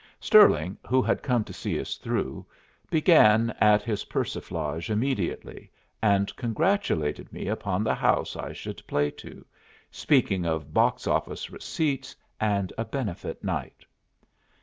Stirling, who had come to see us through, began at his persiflage immediately, and congratulated me upon the house I should play to, speaking of box office receipts and a benefit night.